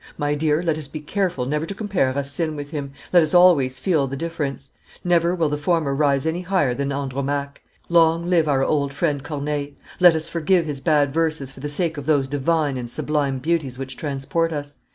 My dear, let us be careful never to compare Racine with him, let us always feel the difference; never will the former rise any higher than Andromaque. Long live our old friend Corneille! Let us forgive his bad verses for the sake of those divine and sublime beauties which transport us.